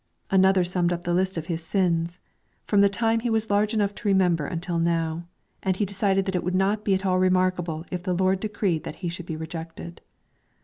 Another summed up the list of his sins, from the time he was large enough to remember until now, and he decided that it would not be at all remarkable if the Lord decreed that he should be rejected.